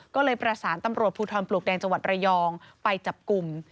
ก็เลยประสานตำรวจภูทรปลวกแดงจังหวัดระยองไปจับกลุ่ม